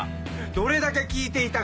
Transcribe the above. どれだけ聴いていたか。